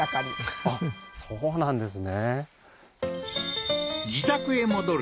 ああーそうなんですか